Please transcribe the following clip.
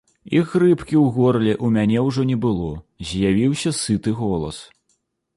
І хрыпкі ў горле ў мяне ўжо не было, з'явіўся сыты голас.